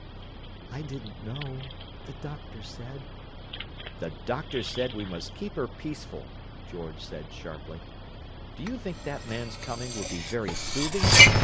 I didn't know—the doctor said—" "The doctor said we 'must keep her peaceful,'" George said sharply. "Do you think that man's coming would be very soothing?